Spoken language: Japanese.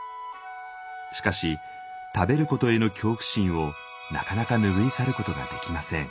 しかし食べることへの恐怖心をなかなか拭い去ることができません。